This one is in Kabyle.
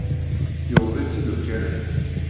Yuweḍ-itt-id ukaraf.